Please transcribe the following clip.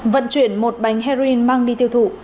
vận chuyển một bánh heroin mang đi tiêu thụ